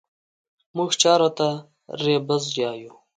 مونږ جارو ته رېبز يايو